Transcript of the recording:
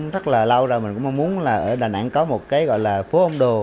rất là lâu rồi mình cũng mong muốn là ở đà nẵng có một cái gọi là phố ông đồ